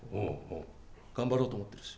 頑張ろうと思っているし。